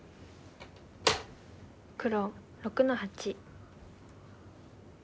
黒６の八。